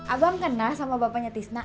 abang kenal sama bapaknya tisna